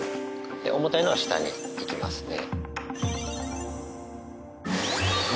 で重たいのは下に行きますね。